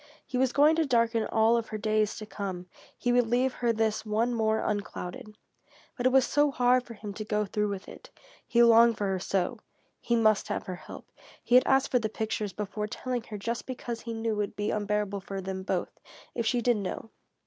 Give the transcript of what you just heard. He was going to darken all of her days to come; he would leave her this one more unclouded. But it was hard for him to go through with it. He longed for her so! He must have her help. He had asked for the pictures before telling her just because he knew it would be unbearable for them both, if she did know.